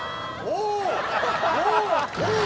お！